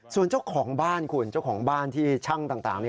ส่วนเจ้าของบ้านคุณเจ้าของบ้านที่ช่างต่าง